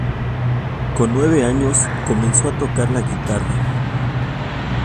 Con nueve años, comenzó a tocar la guitarra.